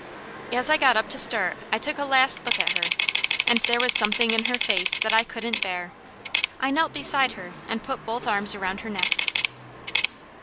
As I got up to start I took a last look at her, and there was something in her face that I couldn't bear. I knelt beside her, and put both arms around her neck.